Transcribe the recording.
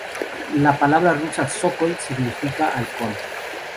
La palabra rusa "Sokol" significa "halcón".